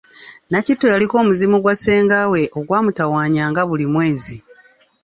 Nakitto yaliko omuzimu gwa senga we ogwa mutawaanyanga buli mwezi.